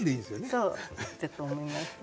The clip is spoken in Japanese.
そうだと思います。